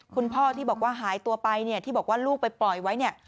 คุณพ่อที่บอกว่าหายตัวไปที่บอกว่าลูกไปปล่อยไว้